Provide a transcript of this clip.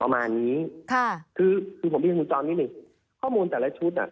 ประมาณนี้คือผมมีธุรกรรมนิดนึงข้อมูลแต่ละชุดน่ะ